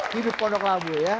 hidup kondok labu ya